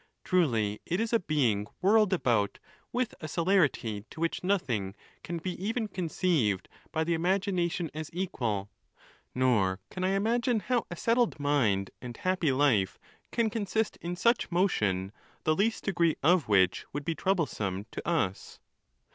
Truly it is a being whirled about with a celerity to which nothing can be even conceived by the imagina tion as equal; nor can I imagine how a settled mind and happy life can consist in such motion, the least degree of which would be troublesome to us.